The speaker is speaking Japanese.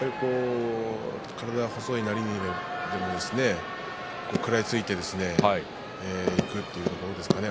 体が細い割に食らいついていくというところですかね。